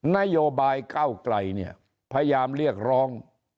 นโยบายเก้าไกลเนี่ยพยายามเรียกร้อง